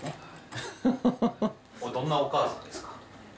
どんなお母さんですか。